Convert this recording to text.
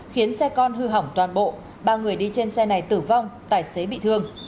khiến xe con hư hỏng toàn bộ ba người đi trên xe này tử vong tài xế bị thương